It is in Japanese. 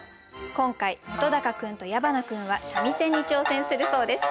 今回本君と矢花君は三味線に挑戦するそうです。